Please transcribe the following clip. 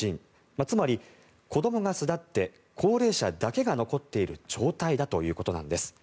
つまり子どもが巣立って高齢者だけが残っている状態だということなんです。